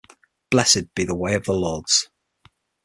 Blessed be the way of the Lords.